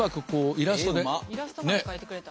イラストまで描いてくれた。